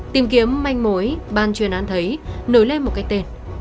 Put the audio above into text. tìm kiếm manh mối ban chuyên án thấy nổi lên một cái tên